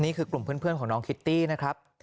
นี่คือกลุ่มเพื่อนของน้องคิตตี้นะครับ